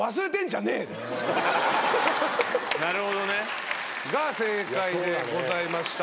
なるほどね。が正解でございました。